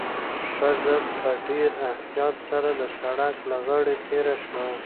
ښځه په ډېر احتیاط سره د سړک له غاړې تېره شوه.